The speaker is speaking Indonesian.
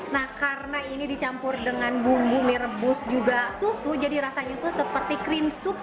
nah karena ini dicampur dengan bumbu merebus juga susu jadi rasanya itu seperti cream soup versi